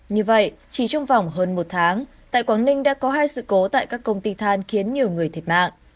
như vậy chỉ trong vòng hơn một tháng tại quảng ninh đã có hai sự cố tại các công ty than khiến nhiều người thiệt mạng